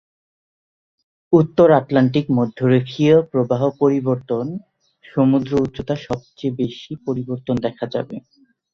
উত্তর আটলান্টিক মধ্যরেখীয় প্রবাহ পরিবর্তন সমুদ্র উচ্চতা সবচেয়ে বেশি পরিবর্তন দেখা যাবে।